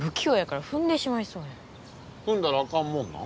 ふんだらあかんもんなん？